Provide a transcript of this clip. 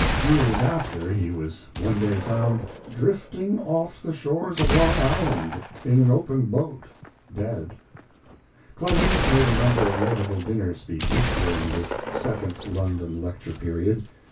Years after he was one day found drifting off the shores of Long Island in an open boat, dead. Clemens made a number of notable dinner speeches during this second London lecture period.